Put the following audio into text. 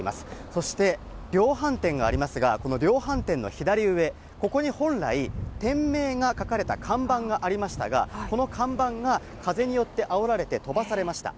そして量販店がありますが、この量販店の左上、ここに本来、店名が書かれた看板がありましたが、この看板が風によってあおられて飛ばされました。